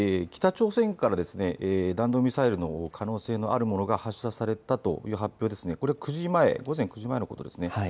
北朝鮮から弾道ミサイルの可能性があるものが発射されたという発表はこれは９時前、午前９時前のことです。